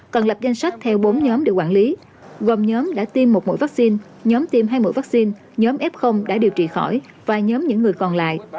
cần lập danh sách theo bốn nhóm để quản lý gồm nhóm đã tiêm một mũi vaccine nhóm tiêm hai mũi vaccine nhóm f đã điều trị khỏi và nhóm những người còn lại